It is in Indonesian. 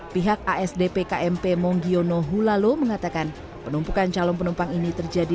pihak asdp kmp monggiono hulalo mengatakan penumpukan calon penumpang ini terjadi